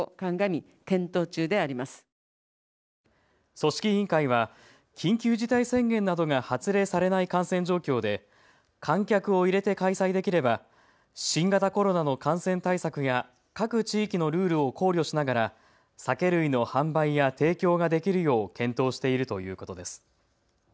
組織委員会は緊急事態宣言などが発令されない感染状況で観客を入れて開催できれば新型コロナの感染対策や各地域のルールを考慮しながら酒類の販売や提供ができるよう検討しているということです。